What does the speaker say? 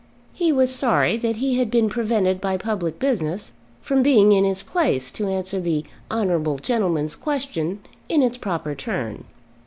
He was sorry that he had been prevented by public business from being in his place to answer the honourable gentleman's question in its proper turn.